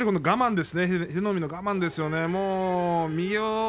英乃海の我慢ですね。